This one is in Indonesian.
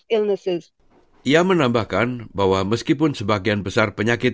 ilmices ia menambahkan bahwa meskipun sebagian besar penyakit